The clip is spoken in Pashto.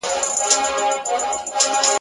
تر ژوندیو مو د مړو لوی قوت دی -